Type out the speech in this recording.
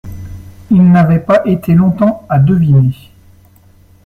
Il n'avait pas été longtemps à deviner.